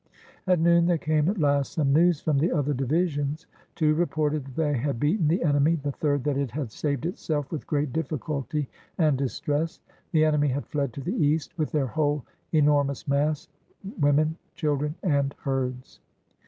At noon there came at last some news from the other divisions. Two reported that they had beaten the en emy, the third that it had saved itself with great diffi culty and distress. The enemy had fled to the east with their whole enormous mass, — women, children, and herds.